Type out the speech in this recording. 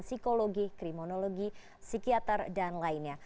psikologi kriminologi psikiater dan lainnya